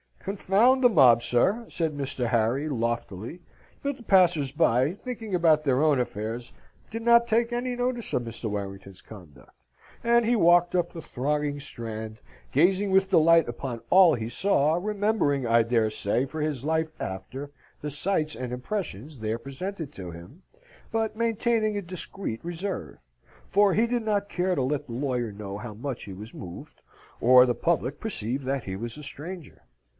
"Confound the mob, sir," said Mr. Harry, loftily, but the passers by, thinking about their own affairs, did not take any notice of Mr. Warrington's conduct; and he walked up the thronging Strand, gazing with delight upon all he saw, remembering, I dare say, for all his life after, the sights and impressions there presented to him, but maintaining a discreet reserve; for he did not care to let the lawyer know how much he was moved, or the public perceive that he was a stranger.